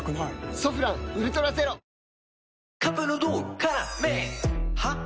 「ソフランウルトラゼロ」引き続き。